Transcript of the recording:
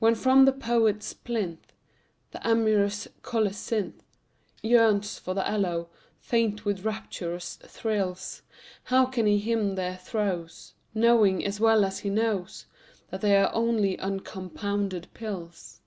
When from the poet's plinth The amorous colocynth Yearns for the aloe, faint with rapturous thrills, How can he hymn their throes Knowing, as well he knows, That they are only uncompounded pills?